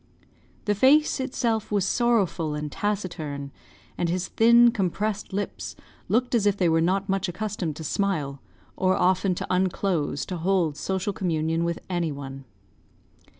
The face itself was sorrowful and taciturn; and his thin, compressed lips looked as if they were not much accustomed to smile, or often to unclose to hold social communion with any one.